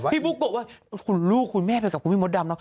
พี่พุกกบว่าคุณลูกคุณแม่ไปกับคุณพี่มดดำนะ